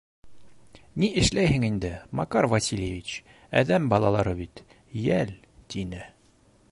— Ни эшләйһең инде, Макар Васильевич, әҙәм балалары бит, йәл, — тине.